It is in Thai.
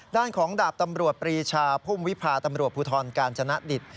ด้านของดาบตำรวจปรีชาพุ่มวิพาตำรวจภูทรกาญจนดิต